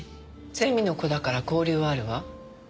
ゼミの子だから交流はあるわ。